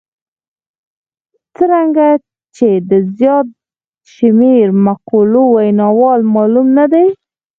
څرنګه چې د زیات شمېر مقولو ویناوال معلوم نه دي.